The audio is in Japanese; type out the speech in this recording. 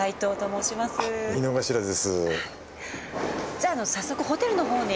じゃああの早速ホテルのほうに。